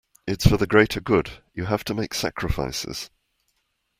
It’s for the greater good, you have to make sacrifices.